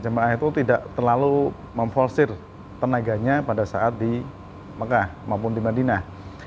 memfalsir tenaganya pada saat di mekah maupun di madinah